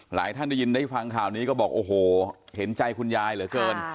ท่านได้ยินได้ฟังข่าวนี้ก็บอกโอ้โหเห็นใจคุณยายเหลือเกิน